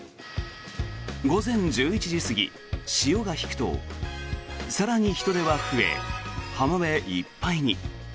午前１１時過ぎ、潮が引くと更に人出は増え浜辺いっぱいに。